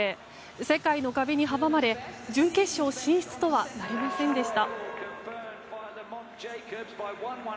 世界の壁に阻まれ準決勝進出とはなりませんでした。